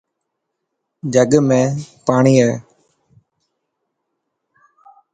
جڳ ۾ پاڻي هي.